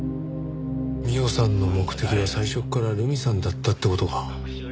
美緒さんの目的は最初から留美さんだったって事か。